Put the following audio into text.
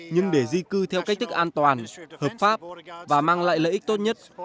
nhưng để di cư theo cách thức an toàn hợp pháp và mang lại lợi ích tốt nhất